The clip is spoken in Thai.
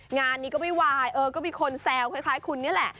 งานนี้ก็ไม่วายเออก็มีคนแซวคล้ายคุณนี่แหละ